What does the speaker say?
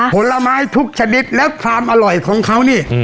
ผลไม้ทุกชนิดแล้วความอร่อยของเขานี่